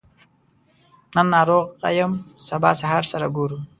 نن ناروغه يم سبا سهار سره ګورو